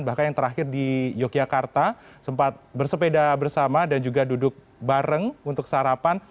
bahkan yang terakhir di yogyakarta sempat bersepeda bersama dan juga duduk bareng untuk sarapan